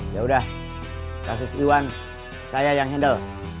ya udah kasus iwan saya yang handle